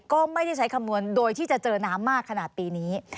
ก็ไม่ได้ใช้คำนวณโดยที่จะเจอน้ำมากขนาดปีนี้